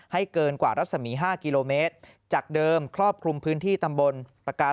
เกินกว่ารัศมี๕กิโลเมตรจากเดิมครอบคลุมพื้นที่ตำบลปากกา